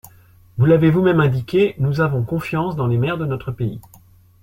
Vous l’avez vous-même indiqué, nous avons confiance dans les maires de notre pays.